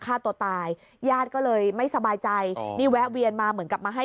ฆ่าตัวตายญาติก็เลยไม่สบายใจนี่แวะเวียนมาเหมือนกับมาให้